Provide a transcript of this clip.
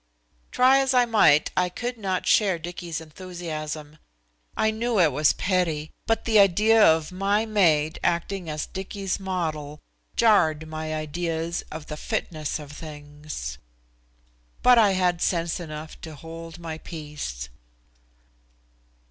Try as I might I could not share Dicky's enthusiasm. I knew it was petty, but the idea of my maid acting as Dicky's model jarred my ideas of the fitness of things. But I had sense enough to hold my peace.